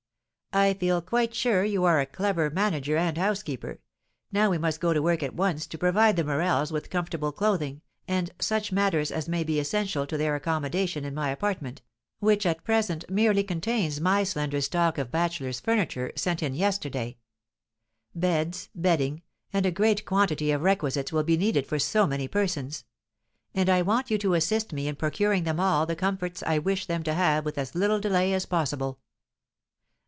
"I feel quite sure you are a clever manager and housekeeper; now we must go to work at once to provide the Morels with comfortable clothing, and such matters as may be essential for their accommodation in my apartment, which at present merely contains my slender stock of bachelor's furniture, sent in yesterday. Beds, bedding, and a great quantity of requisites will be needed for so many persons; and I want you to assist me in procuring them all the comforts I wish them to have with as little delay as possible."